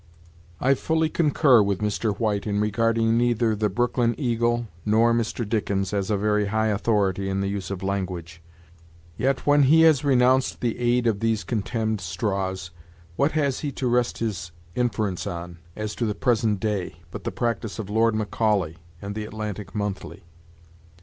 I fully concur with Mr. White in regarding 'neither "The Brooklyn Eagle" nor Mr. Dickens as a very high authority in the use of language'; yet, when he has renounced the aid of these contemned straws, what has he to rest his inference on, as to the present day, but the practice of Lord Macaulay and 'The Atlantic Monthly'?